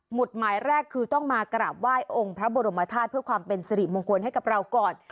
ุดหมายแรกคือต้องมากราบไหว้องค์พระบรมธาตุเพื่อความเป็นสิริมงคลให้กับเราก่อน